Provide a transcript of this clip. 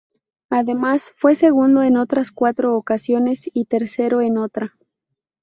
Además, fue segundo en otras cuatro ocasiones y tercero en otra.